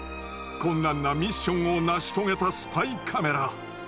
困難なミッションを成し遂げたスパイカメラ。